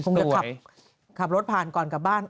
คงจะขับรถผ่านก่อนกลับบ้าน